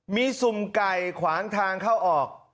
มีสุ่มไก่ขวางทางเข้าออก